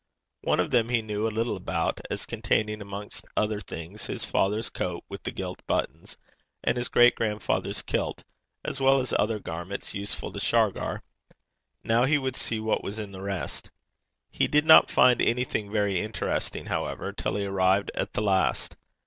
One of them he knew a little about, as containing, amongst other things, his father's coat with the gilt buttons, and his great grandfather's kilt, as well as other garments useful to Shargar: now he would see what was in the rest. He did not find anything very interesting, however, till he arrived at the last.